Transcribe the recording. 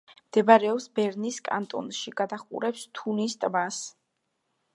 მდებარეობს ბერნის კანტონში, გადაჰყურებს თუნის ტბას.